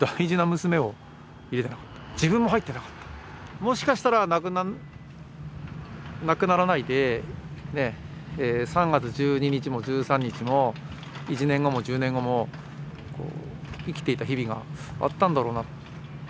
もしかしたら亡くならないで３月１２日も１３日も１年後も１０年後も生きていた日々があったんだろうな。